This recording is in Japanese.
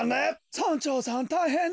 村長さんたいへんなんだ。